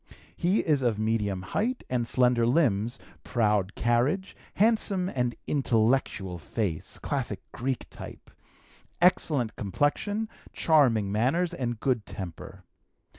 He is of medium height and slender limbs, proud carriage, handsome and intellectual face (classic Greek type), excellent complexion, charming manners, and good temper.